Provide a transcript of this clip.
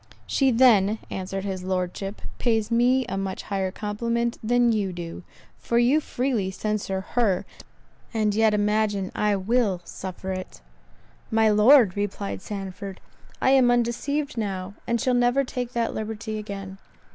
"She then," answered his Lordship, "pays me a much higher compliment than you do; for you freely censure her, and yet imagine I will suffer it." "My Lord," replied Sandford, "I am undeceived now, and shall never take that liberty again."